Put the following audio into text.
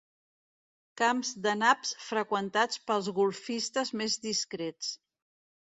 Camps de naps freqüentats pels golfistes més discrets.